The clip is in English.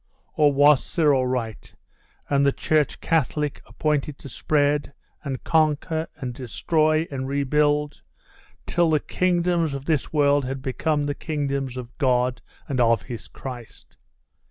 Or was Cyril right, and the Church Catholic appointed to spread, and conquer, and destroy, and rebuild, till the kingdoms of this world had become the kingdoms of God and of His Christ!